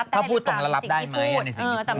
ถ้าพูดตรงแล้วรับได้ไหม